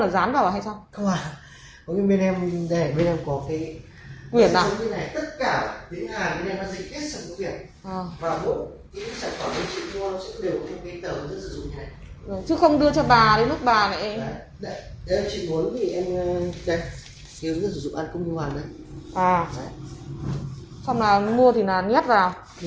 xong là mua thì nhét ra